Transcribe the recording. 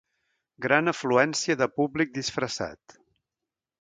Gran afluència de públic disfressat.